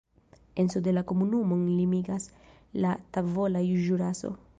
En sude la komunumon limigas la Tavola Ĵuraso.